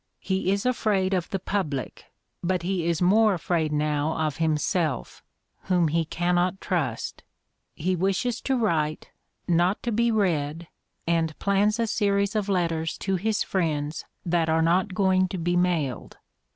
He is afraid of the public, but he is more afraid now of himself, whom he cannot trust. He wishes to write "not to be read," and plans a series of letters to his friends that are not going to be mailed.